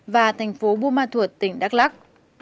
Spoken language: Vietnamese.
và thành phố bùa ma thuột tỉnh đắk lắc